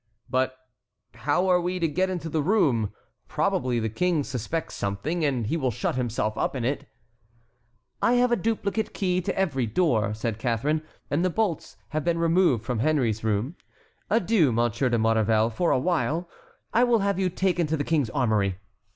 "But how are we to get into the room? Probably the king suspects something, and he will shut himself up in it." "I have a duplicate key to every door," said Catharine, "and the bolts have been removed from Henry's room. Adieu, Monsieur de Maurevel, for a while. I will have you taken to the King's armory.